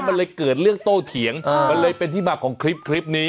มันเลยเกิดเรื่องโต้เถียงมันเลยเป็นที่มาของคลิปนี้